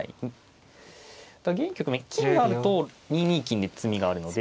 現局面金があると２二金で詰みがあるので。